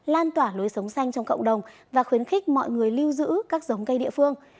lan tỏa lối sống xanh trong cộng đồng và khuyến khích mọi người lưu giữ các giống cây địa phương